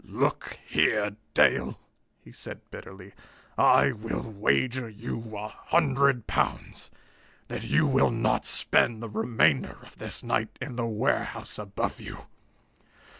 "Look here, Dale," he said bitterly, "I will wager you a hundred pounds that you will not spend the remainder of this night in the warehouse above you!